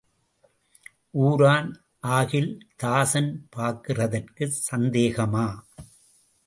ஊரான் ஆகில் தாசன் பார்க்கிறதற்குச் சந்தேகமா?